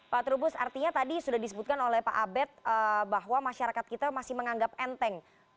pak trubus artinya tadi sudah disebutkan oleh pak abed bahwa masyarakat kita masih menganggap enteng